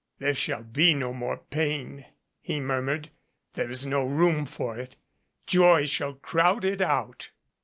"There shall be no more pain," he murmured. "There is no room for it. Joy shall crowd it out."